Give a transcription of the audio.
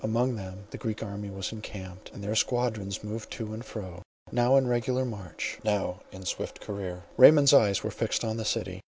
Among them the Greek army was encamped, and their squadrons moved to and fro—now in regular march, now in swift career. Raymond's eyes were fixed on the city.